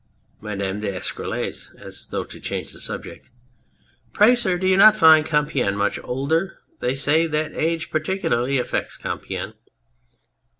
MADAME D'ESCUROLLES (as though to change the subject}. Pray, sir, do you not find Compiegne much older? They say that age particularly affects Compiegne.